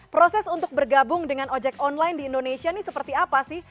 proses untuk bergabung dengan ojek online di indonesia ini seperti apa sih